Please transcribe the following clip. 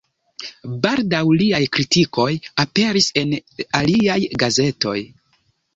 Baldaŭ liaj kritikoj aperis en aliaj gazetoj.